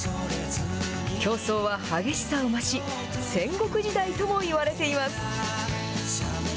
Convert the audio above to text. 競争は激しさを増し、戦国時代ともいわれています。